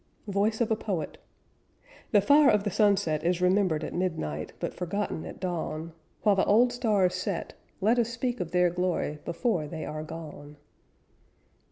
Voice of a Poet "The fire of the sunset Is remembered at midnight, But forgotten at dawn. While the old stars set, Let us speak of their glory Before they are gone."